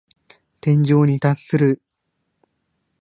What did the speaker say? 天井に達する。